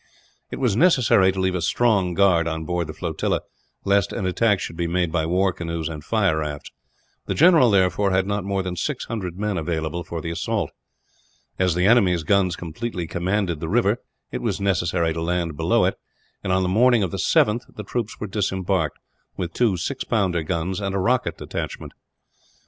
It was necessary to leave a strong guard on board the flotilla, lest an attack should be made by war canoes and fire rafts. The general, therefore, had not more than 600 men available for the assault. As the enemy's guns completely commanded the river, it was necessary to land below it; and on the morning of the 7th the troops were disembarked, with two six pounder guns and a rocket detachment.